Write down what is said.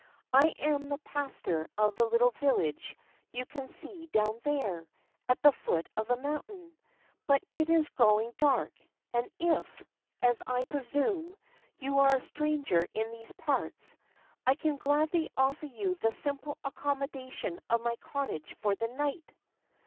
I am the pastor of the little village you can see down there, at the foot of the mountain. But it is growing dark, and if, as I presume, you are a stranger in these parts, I can gladly offer you the simple accommodation of my cottage for the night."